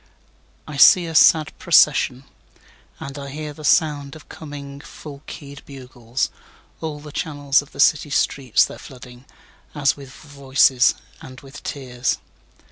3I see a sad procession, And I hear the sound of coming full key'd bugles; All the channels of the city streets they're flooding, As with voices and with tears.